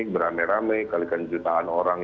beramai ramai kalikan jutaan orang